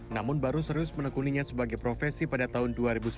namun baru serius menekuninya sebagai profesi pada tahun dua ribu sepuluh